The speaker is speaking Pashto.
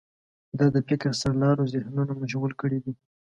دا د فکر سرلارو ذهنونه مشغول کړي دي.